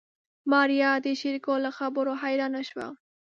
ماريا د شېرګل له خبرو حيرانه شوه.